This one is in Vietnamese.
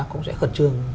cũng sẽ khẩn trương